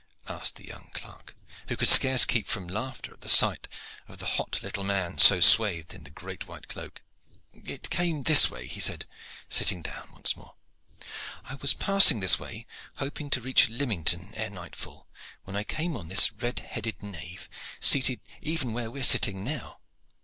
asked the young clerk, who could scarce keep from laughter at the sight of the hot little man so swathed in the great white cloak. "It came in this way," he said, sitting down once more: "I was passing this way, hoping to reach Lymington ere nightfall when I came on this red headed knave seated even where we are sitting now.